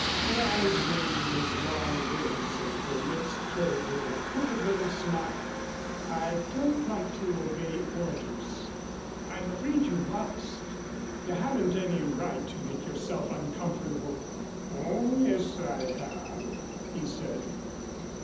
Her eyes measured his long limbs and her lips curved in a crooked little smile. "I don't like to obey orders." "I'm afraid you must." "You haven't any right to make yourself uncomfortable." "Oh, yes, I have," he said.